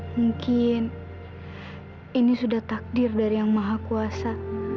mungkin ini sudah takdir dari yang maha kuasa